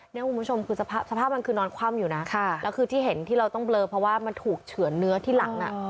คุณผู้ชมคือสภาพมันคือนอนคว่ำอยู่นะแล้วคือที่เห็นที่เราต้องเบลอเพราะว่ามันถูกเฉือนเนื้อที่หลัง